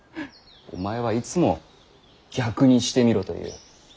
お前はいつも逆にしてみろと言う。